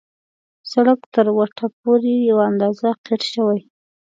سړک تر وټه پورې یو اندازه قیر شوی.